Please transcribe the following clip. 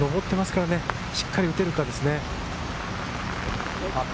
とにかく上ってますから、しっかり打てるかですね。